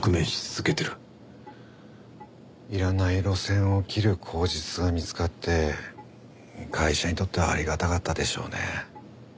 いらない路線を切る口実が見つかって会社にとってはありがたかったでしょうね。